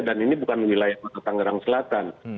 dan ini bukan wilayah tenggerang selatan